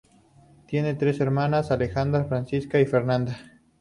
Tiene tres hermanas: Alejandra, Francisca y Fernanda.